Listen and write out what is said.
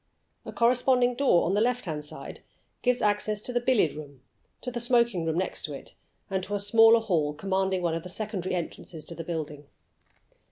A corresponding door on the left hand gives access to the billiard room, to the smoking room next to it, and to a smaller hall commanding one of the secondary entrances to the building.